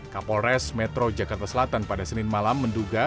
kapolres metro jakarta selatan pada senin malam menduga